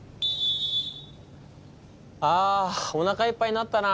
あおなかいっぱいになったな。